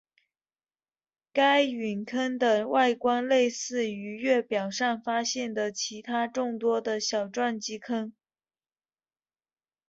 该陨坑的外观类似于月表上发现的其它众多的小撞击坑。